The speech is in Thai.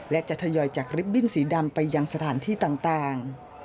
และจะทยอยจากริบบิ้นสีดำไปยังสถานที่ต่าง